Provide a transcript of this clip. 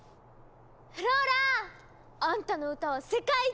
フローラ！あんたの歌は世界一！